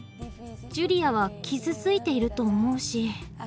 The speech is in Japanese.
ジュリアは傷ついていると思うし。